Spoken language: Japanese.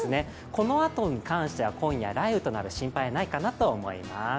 このあとに関しては、今夜雷雨となる心配はないかなと思います。